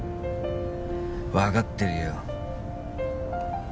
分かってるよ